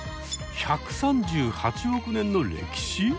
１３８億年の歴史！？